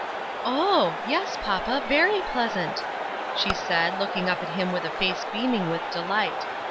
"Oh! yes, papa, very pleasant," she said, looking up at him with a face beaming with delight.